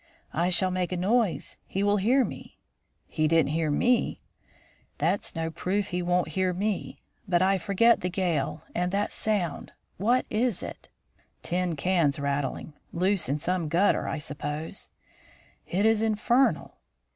"I shall make a noise; he will hear me " "He didn't hear me " "That's no proof he won't hear me. But I forget the gale, and that sound what is it?" "Tin cans rattling; loose in some gutter, I suppose " "It is infernal."